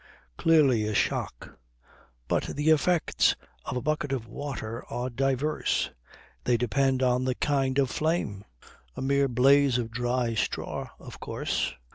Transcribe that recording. Clearly a shock. But the effects of a bucket of water are diverse. They depend on the kind of flame. A mere blaze of dry straw, of course